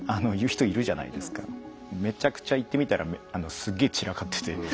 めちゃくちゃ行ってみたらすげえ散らかってて。